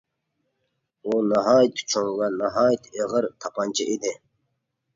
ئۇ ناھايىتى چوڭ ۋە ناھايىتى ئېغىر تاپانچا ئىدى.